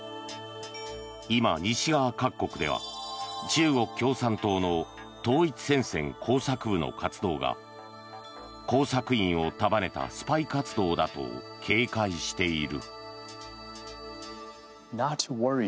今、西側各国では中国共産党の統一戦線工作部の活動が工作員を束ねたスパイ活動だと警戒している。